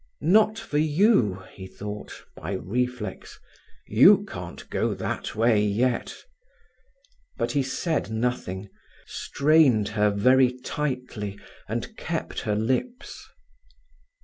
"Not for you," he thought, by reflex. "You can't go that way yet." But he said nothing, strained her very tightly, and kept her lips.